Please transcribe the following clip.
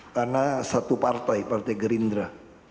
karena satu partai partai gerindra